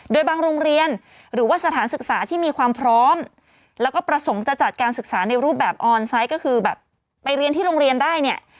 โดยบางโรงเรียนหรือว่าสถานศึกษาที่มีความพร้อมแล้วก็ประสงค์จะจัดการศึกษาในรูปแบบออนไซต์ก็คือแบบไปเรียนที่โรงเรียนได้เนี่ย